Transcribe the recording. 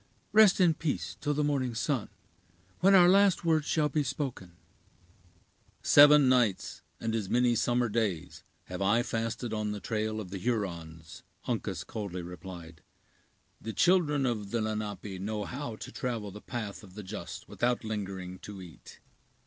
Rest in peace till the morning sun, when our last words shall be spoken." "Seven nights, and as many summer days, have I fasted on the trail of the Hurons," Uncas coldly replied; "the children of the Lenape know how to travel the path of the just without lingering to eat."